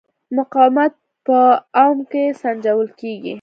مقاومت په اوم کې سنجول کېږي.